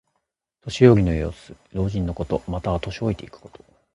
年寄りの様子。老人のこと。または、年老いていくこと。